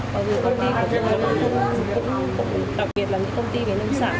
còn về công ty của việt nam cũng đặc biệt là những công ty về nông sản